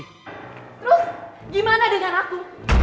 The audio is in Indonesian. terus gimana dengan aku